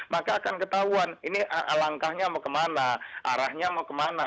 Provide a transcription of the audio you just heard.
maka akan ketahuan ini langkahnya mau kemana arahnya mau kemana